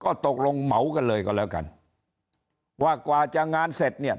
ก็ตกลงเหมากันเลยก็แล้วกันว่ากว่าจะงานเสร็จเนี่ย